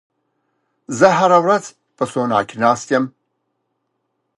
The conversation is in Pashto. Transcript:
زه هره ورځ په سونا کې نه ناست یم.